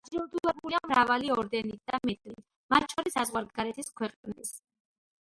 დაჯილდოებულია მრავალი ორდენით და მედლით, მათ შორის საზღვარგარეთის ქვეყნების.